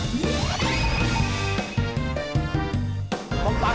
กลับมุ่งพันธุ์